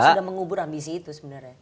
sudah mengubur ambisi itu sebenarnya